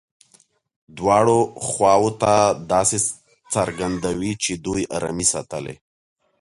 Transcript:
دواړو خواوو ته داسې څرګندوي چې دوی ارامي ساتلې.